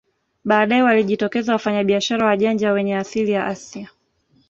Baadae walijitokeza wafanyabiashara wajanja wenye asili ya Asia